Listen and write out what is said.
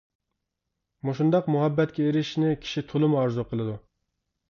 مۇشۇنداق مۇھەببەتكە ئېرىشىشنى كىشى تولىمۇ ئارزۇ قىلىدۇ!